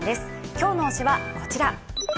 今日の推しはこちら。